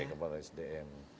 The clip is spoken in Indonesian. ya kemana sdm